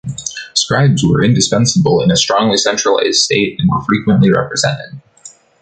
Scribes were indispensable in a strongly centralized State and were frequently represented.